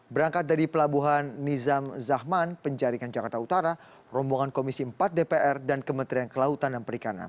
berangkat dari pelabuhan nizam zahman penjaringan jakarta utara rombongan komisi empat dpr dan kementerian kelautan dan perikanan